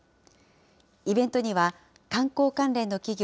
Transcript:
イベントには観光関連の企業